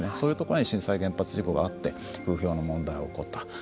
そういうところに震災原発事故があって風評の問題が起こった。